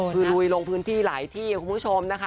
คือลุยลงพื้นที่หลายที่คุณผู้ชมนะคะ